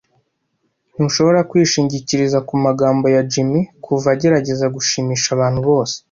Ntushobora kwishingikiriza ku magambo ya Jim kuva agerageza gushimisha abantu bose.